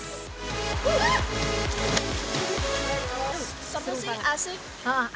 seru sih asik